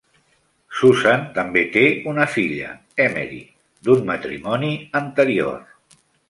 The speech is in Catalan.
Susan també té una filla, Emery, d'un matrimoni anterior.